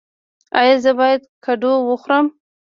ایا زه باید کدو وخورم؟